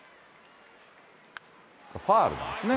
ファウルなんですね。